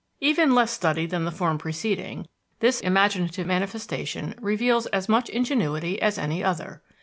Even less studied than the form preceding, this imaginative manifestation reveals as much ingenuity as any other.